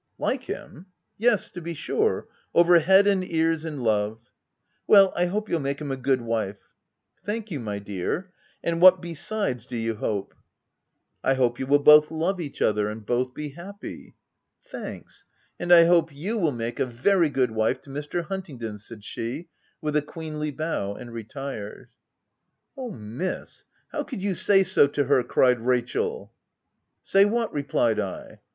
"Like him ! yes, to be sure — over head and ears in love !" "Well, I hope you'll make him a good wife/' " Thank you, my dear ! And what besides do you hope ?" 62 THE TENANT " I hope you will both love each other, and both be happy ." 66 Thanks ;— and I hope you will make a very good wife to Mr. Huntingdon !" said she, with a queenly bow, and retired. " Oh, Miss ! how could you say so to her ?" cried Rachel. " Say what ?" replied I.